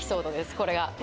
これが。